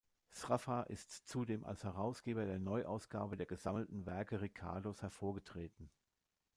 Sraffa ist zudem als Herausgeber der Neuausgabe der Gesammelten Werke Ricardos hervorgetreten.